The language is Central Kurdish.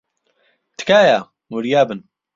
تکایە، وریا بن.